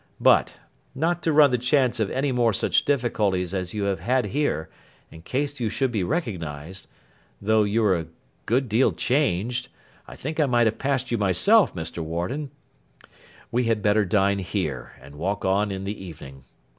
But, not to run the chance of any more such difficulties as you have had here, in case you should be recognised—though you're a good deal changed; I think I might have passed you myself, Mr. Warden—we had better dine here, and walk on in the evening.